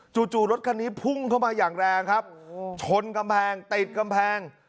จู่รถคันนี้พุ่งเข้ามาอย่างแรงครับชนกำแพงติดกำแพง